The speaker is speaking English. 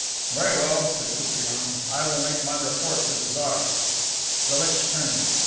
"Very well," said Koupriane, "I will make my report to the Tsar." Galitch turned.